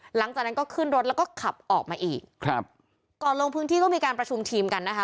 หลังจากนั้นก็ขึ้นรถแล้วก็ขับออกมาอีกครับก่อนลงพื้นที่ก็มีการประชุมทีมกันนะคะ